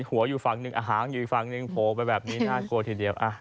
หัวอยู่ฝั่งหนึ่งหางอยู่อีกฝั่งหนึ่งโผล่ไปแบบนี้น่ากลัวทีเดียว